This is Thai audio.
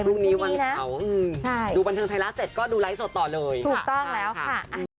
ลูกนี้วังเขาดูบันเทิงไทยละ๗ก็ดูไลฟ์สดต่อเลยค่ะค่ะถูกต้องแล้วค่ะ